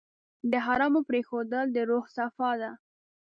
د حرامو پرېښودل د روح صفا ده.